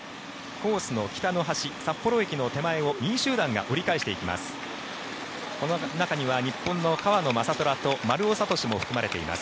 コースの北の端、札幌駅の手前を２位集団が折り返していきます。